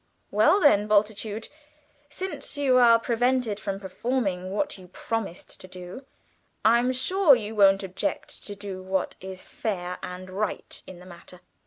Well then, Bultitude, since you are prevented from performing what you promised to do, I'm sure you won't object to do what is fair and right in the matter?"